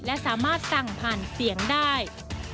และสามารถสั่งผ่านเสียงได้